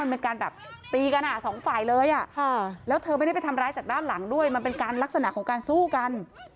มันเป็นการแบบตีกันอ่ะสองฝ่ายเลยแล้วเธอไม่ได้ไปทำร้ายจากด้านหลังด้วยมันเป็นการลักษณะของการสู้กัน